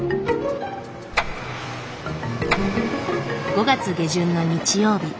５月下旬の日曜日。